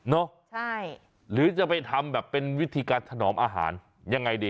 หรือจะไปทำแบบเป็นวิธีการถนอมอาหารยังไงดี